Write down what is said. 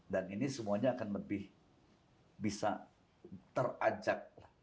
dan ini semuanya akan lebih bisa terajak